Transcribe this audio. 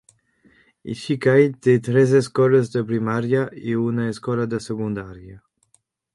Ichikai té tres escoles de primària i una escola de secundària.